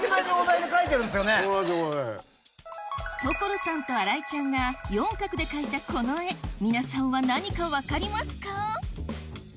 所さんと新井ちゃんが４画で描いたこの絵皆さんは何か分かりますか？